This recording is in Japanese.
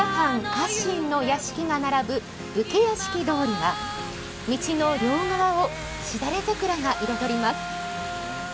藩家臣の屋敷が並ぶ武家屋敷通りは、道の両側をシダレザクラが彩ります。